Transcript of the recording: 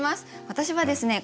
私はですね